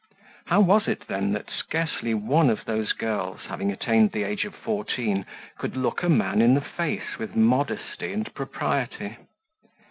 How was it, then, that scarcely one of those girls having attained the age of fourteen could look a man in the face with modesty and propriety?